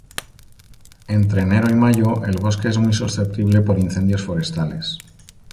Entre enero y mayo el bosque es muy susceptible por incendios forestales.